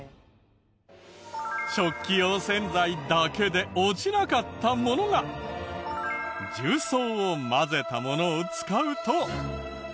食器用洗剤だけで落ちなかったものが重曹を混ぜたものを使うと。